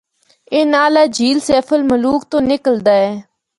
اے نالہ جھیل سیف الملوک تو نکلدا اے۔